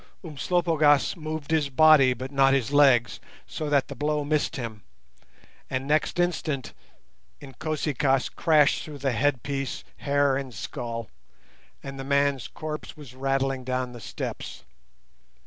Umslopogaas moved his body but not his legs, so that the blow missed him, and next instant Inkosi kaas crashed through headpiece, hair and skull, and the man's corpse was rattling down the steps.